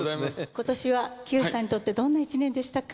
今年はきよしさんにとってどんな一年でしたか？